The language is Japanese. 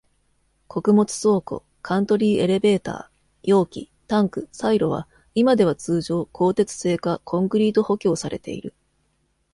穀物倉庫（カントリーエレベーター）容器、タンク、サイロは、今では通常、鋼鉄製かコンクリート補強されている。